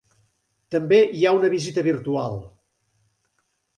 També hi ha una visita virtual.